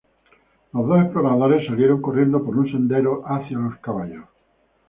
Los dos exploradores salieron corriendo por un sendero hacia los caballos.